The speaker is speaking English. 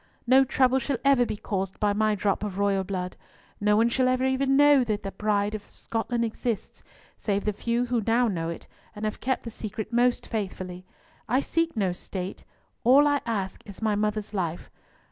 No trouble shall ever be caused by my drop of royal blood; no one shall ever even know that Bride of Scotland exists, save the few who now know it, and have kept the secret most faithfully. I seek no state; all I ask is my mother's life.